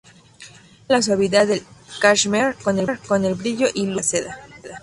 Combina la suavidad del cashmere con el brillo y lustre de la seda.